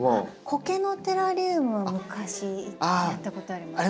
コケのテラリウムは昔やったことあります。